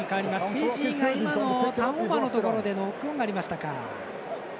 フィジーが今のターンオーバーのところでノックオンがありましたか。